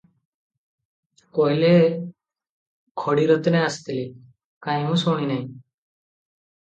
କହିଲେ, “ଖଡ଼ିରତ୍ନେ ଆସିଥିଲେ, କାହିଁ ମୁଁ ଶୁଣି ନାହିଁ?”